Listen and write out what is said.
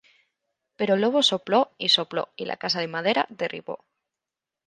Pero el lobo sopló y sopló y la casa de madera derribó.